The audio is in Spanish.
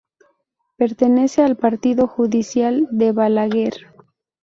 Pertenece al partido judicial de Balaguer.